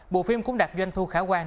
bộ phim cũng đạt doanh thu khả quan